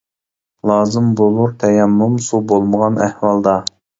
لازىم بولۇر تەيەممۇم، سۇ بولمىغان ئەھۋالدا.